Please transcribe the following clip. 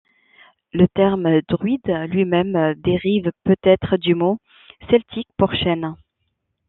Le terme druide lui-même dérive peut-être du mot celtique pour chêne.